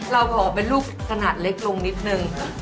เราขอเป็นลูกขนาดเล็กลงนิดนึง